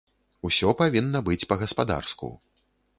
Усё павінна быць па-гаспадарску.